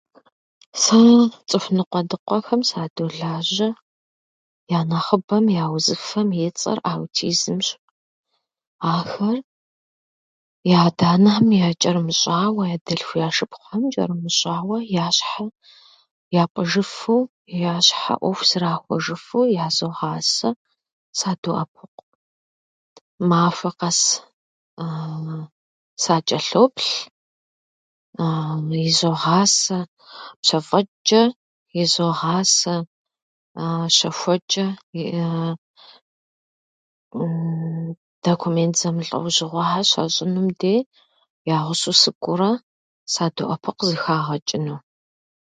Сэ цӏыху ныкъуэдыкъуэхэм садолажьэ. Янэхъыбэм я узыфэм и цӏэр аутизмщ. Ахэр я адэ-анэхьэм ячӏэрымыщӏауэ, я дэлъху-я шыпхъухьэм чӏэрымыщӏауэ я щхьэ япӏыжыфу, я щхьэ ӏуэху зырахуэжыфу язогъасэ, садоӏэпыкъу. Махуэ къэс сачӏэлъоплъ, изогъасэ пщэфӏэчӏэ, изогъасэ щэхуэчӏэ, документ зэмылӏэужьыгъуэхьэр щыщӏынум де я гъусэу сыкӏуэурэ садоӏэпыкъу зэхагъэчӏыну.